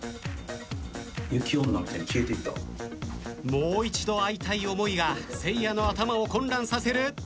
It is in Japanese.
もう一度会いたい思いがせいやの頭を混乱させる。